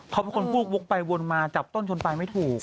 เขาเป็นคนพูดวกไปวนมาจับต้นชนปลายไม่ถูก